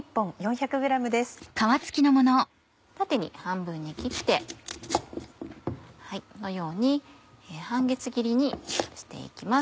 縦に半分に切ってこのように半月切りにして行きます。